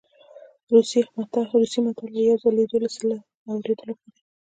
روسي متل وایي یو ځل لیدل له سل اورېدلو ښه دي.